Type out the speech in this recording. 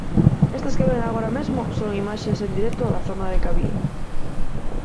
Estas que ven agora mesmo son imaxes en directo da zona de Cabío.